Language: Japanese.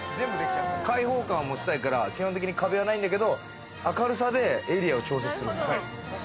開放感持ちたいから壁はないんだけれども、明るさでエリアを調節する。